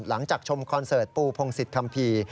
หลังจากชมคอนเสิร์ตปูพงศิษยคัมภีร์